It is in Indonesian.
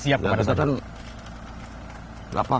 siap kemana saja